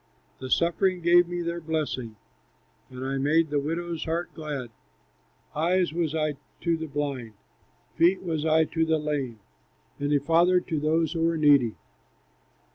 The suffering gave me their blessing, And I made the widow's heart glad. "Eyes was I to the blind, Feet was I to the lame, And a father to those who were needy.